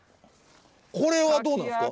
これはどうなんですか？